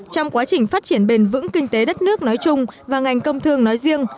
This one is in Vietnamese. trong quá trình phát triển bền vững kinh tế đất nước nói chung và ngành công thương nói riêng